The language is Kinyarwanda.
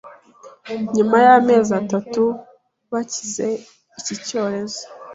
nyuma y’amezi atatu bakize iki cyorezo.